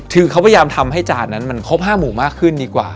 คือเขาพยายามทำให้จานนั้นมันครบ๕หมูมากขึ้นดีกว่า